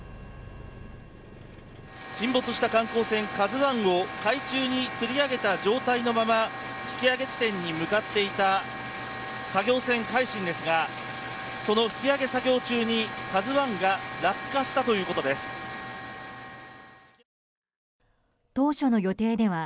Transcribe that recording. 沈没した観光船「ＫＡＺＵ１」を海中につり上げた状態のまま引き揚げ地点に向かっていた作業船「海進」ですがその引き揚げ作業中に「ＫＡＺＵ１」が落下したということです。